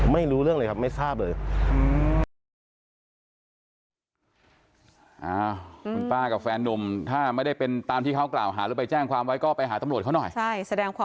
ไม่รู้เรื่องเลยครับไม่ทราบเลย